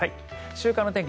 週間の天気